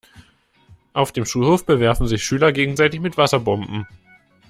Auf dem Schulhof bewerfen sich Schüler gegenseitig mit Wasserbomben.